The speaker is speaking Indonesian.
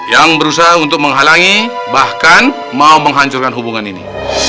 yang berusaha untuk menghalangi bahkan mau menghancurkan hubungan ini